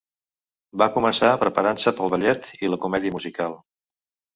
Va començar preparant-se pel ballet i la comèdia musical.